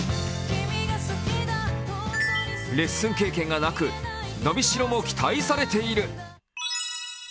レッスン経験がなく伸びしろも期待されている。